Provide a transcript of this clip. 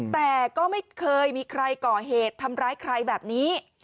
แต่ก็ไม่เคยมีใครก่อเหตุทำร้ายใครแบบนี้